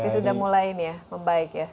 tapi sudah mulai ini ya membaik ya